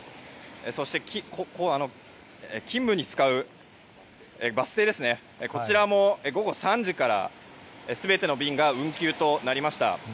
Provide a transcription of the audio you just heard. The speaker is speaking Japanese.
そして勤務に使うバス停もこちらも午後３時から全ての便が運休となりました。